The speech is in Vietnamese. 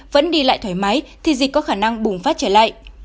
vẫn đi lại thoải mái thì dịch có khả năng bùng phát trở lại